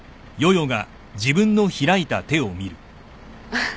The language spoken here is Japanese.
あっ。